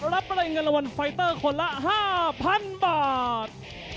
รับรายเงินละวันไฟเตอร์คนละ๕๐๐๐บาท